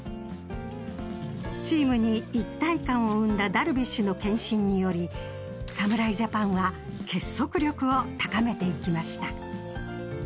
チームに一体感を生んだダルビッシュの献身により侍ジャパンは結束力を高めていきました。